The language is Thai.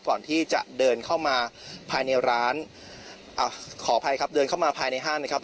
ก่อนที่จะเดินเข้ามาภายในร้านอ่าขออภัยครับเดินเข้ามาภายในห้างนะครับ